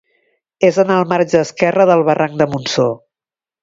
És en el marge esquerre del barranc de Montsor.